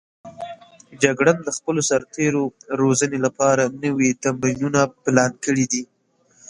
جګړن د خپلو سرتېرو روزنې لپاره نوي تمرینونه پلان کړي دي.